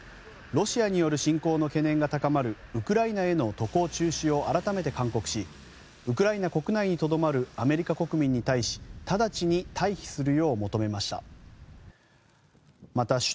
ロシアによる侵攻の懸念が高まるウクライナへの渡航中止を改めて勧告しウクライナ国内にとどまるアメリカ国民に対し直ちに退避するよう求めました。